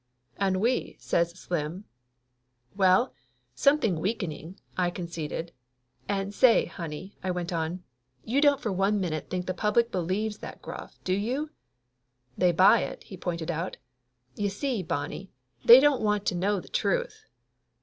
"Ennui !" says Slim. "Well, something weakening!" I conceded. "And say. honey," I went on, "you don't for one minute think the public believes that guff, do you ?" "They buy it," he pointed out. "You see, Bonnie, they don't want to know the truth